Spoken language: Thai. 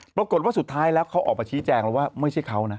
ปรากฏว่าสุดท้ายแล้วเขาออกมาชี้แจงแล้วว่าไม่ใช่เขานะ